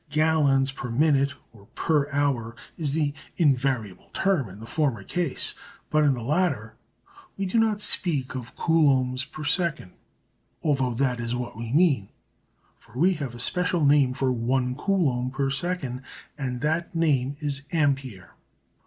Gallons per minute or per hour is the invariable term in the former case, but in the latter we do not speak of coulombs per second, although that is what we mean, for we have a special name for one coulomb per second, and that same is ampere.